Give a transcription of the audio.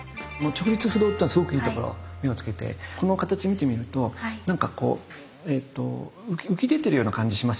直立不動っていうのはすごくいいところ目をつけてこの形見てみると何かこう浮き出てるような感じしますよね。